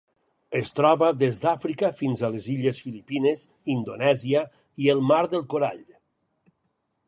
Es troba des d'Àfrica fins a les illes Filipines, Indonèsia i el mar del Corall.